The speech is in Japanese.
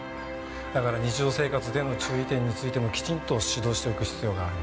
だから日常生活での注意点についてもきちんと指導しておく必要があるよね。